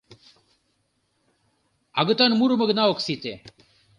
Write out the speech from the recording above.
Агытан мурымо гына ок сите.